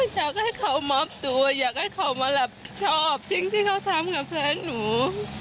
อยากให้เขามอบตัวอยากให้เขามารับชอบสิ่งที่เขาทำกับแฟนหนู